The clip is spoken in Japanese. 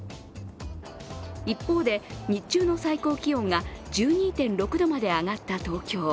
一方で、日中の最高気温が１２．６度まで上がった東京。